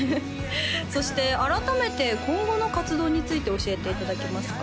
そして改めて今後の活動について教えていただけますか？